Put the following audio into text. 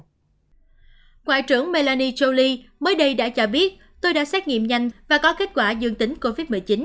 ngoại trưởng melania jolie mới đây đã cho biết tôi đã xét nghiệm nhanh và có kết quả dương tính covid một mươi chín